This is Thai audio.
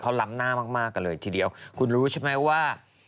เขาล้ำหน้ามากกันเลยทีเดียวคุณรู้ใช่ไหมว่า